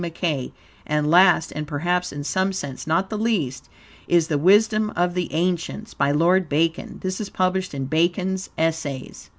Mackey; and last, and, perhaps, in some sense, not the least, is the "Wisdom of the Ancients," by Lord Bacon. This is published in "Bacon's Essays."